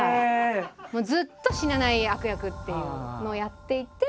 ずっと死なない悪役っていうのをやっていて。